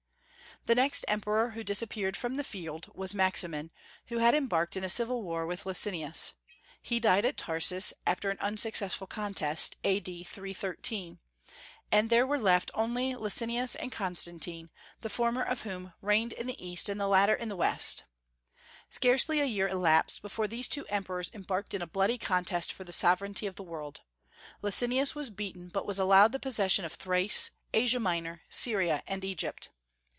The next emperor who disappeared from the field was Maximin, who had embarked in a civil war with Licinius. He died at Tarsus, after an unsuccessful contest, A.D. 313; and there were left only Licinius and Constantine, the former of whom reigned in the East and the latter in the West. Scarcely a year elapsed before these two emperors embarked in a bloody contest for the sovereignty of the world. Licinius was beaten, but was allowed the possession of Thrace, Asia Minor, Syria, and Egypt.